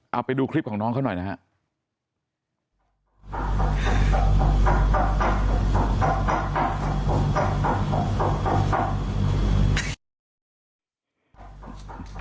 เอาไปดูคลิปของน้องเขาหน่อยนะครับ